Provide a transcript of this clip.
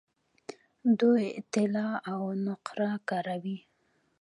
دوی طلا او نقره کاروي.